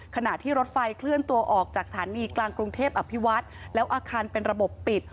ขณะที่รถไฟเคลื่อนตัวออกจากสถานีกลางกรุงเทพอภิวัฒน์แล้วอาคารเป็นระบบปิด